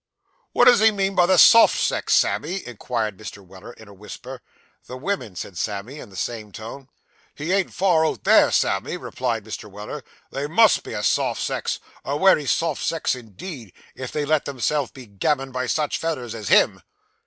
'Wot does he mean by the soft sex, Sammy?' inquired Mr. Weller, in a whisper. 'The womin,' said Sam, in the same tone. 'He ain't far out there, Sammy,' replied Mr. Weller; 'they _must _be a soft sex a wery soft sex, indeed if they let themselves be gammoned by such fellers as him.